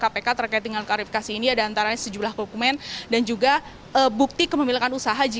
kpk terkait dengan klarifikasi ini ada antara sejumlah dokumen dan juga bukti kepemilikan usaha